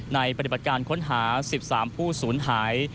ปฏิบัติการค้นหา๑๓ผู้สูญหาย